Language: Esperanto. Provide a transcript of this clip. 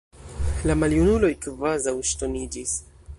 La maljunulo kvazaŭ ŝtoniĝis.